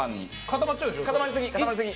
固まりすぎ！